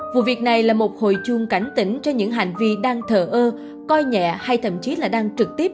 vụ việc này là một hồi chuông cảnh tỉnh cho những hành vi đang thờ ơ coi nhẹ hay thậm chí là đang trực tiếp